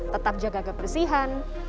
tetap jaga kebersihan